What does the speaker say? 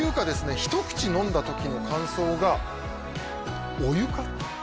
一口飲んだ時の感想がお湯か？